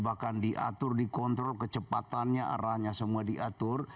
bahkan diatur dikontrol kecepatannya arahnya semua diatur